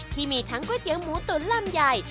ที่มีทั้งก๋วยเตี๋ยวหมูตุ๋นลำใหญ่